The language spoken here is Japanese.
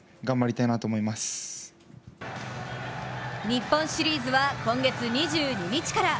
日本シリーズは今月２２日から。